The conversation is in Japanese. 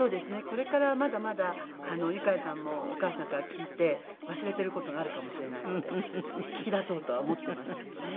これからまだまだユカイさんもお母さんから聞いて忘れている事があるかもしれないので聞き出そうとは思っていますけどね。